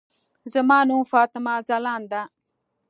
زما نوم فاطمه ځلاند ده.